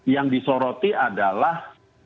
yang disoroti adalah